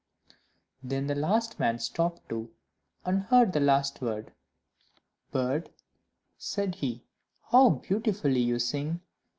Then the last man stopped too, and heard the last word. "Bird," said he, "how beautifully you sing!